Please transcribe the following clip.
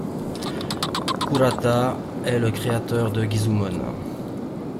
Kurata est le créateur de Gizumon.